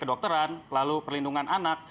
kedokteran lalu perlindungan anak